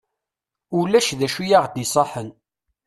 Ulac d acu i aɣ-d-iṣaḥen.